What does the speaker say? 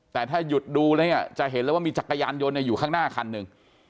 แต่ถ้าหยุดดูแล้วเนี่ยจะเห็นเลยว่ามีจักรยานยนต์อยู่ข้างหน้าคันหนึ่ง